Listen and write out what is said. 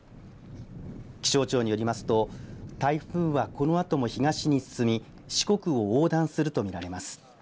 気象庁によりますと台風は、このあとも東に進み四国を横断するとみられます。